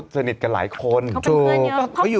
สนิทกับน้องมอร์